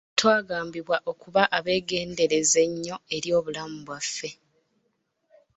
Twagambibwa okuba abeegendereza ennyo eri obulamu bwaffe.